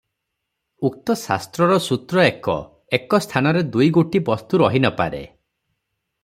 ଉକ୍ତ ଶାସ୍ତ୍ରର ସୂତ୍ର ଏକ-ଏକ ସ୍ଥାନରେ ଦୁଇ ଗୋଟି ବସ୍ତୁ ରହି ନପାରେ ।